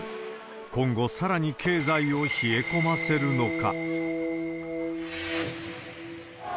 今後さらに経済を冷え込ませるのか。